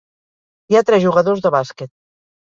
Hi ha tres jugadors de bàsquet